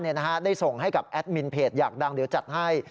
ได้ส่งให้กับแอดมินเพจอยากดังเดี๋ยวจัดให้